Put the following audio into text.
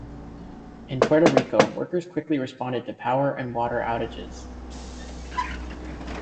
In Puerto Rico, workers quickly responded to power and water outages.